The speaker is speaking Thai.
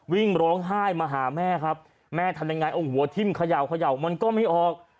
วิ่งร้องไห้มาหาแม่ครับแม่ทำยังไงเอาหัวทิ้มเขย่าเขย่ามันก็ไม่ออก